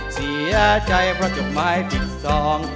เสียใจเพราะจดหมายผิดสอง